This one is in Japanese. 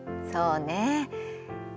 そうね。